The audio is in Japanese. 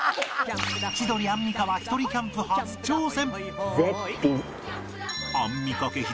千鳥アンミカはひとりキャンプ初挑戦！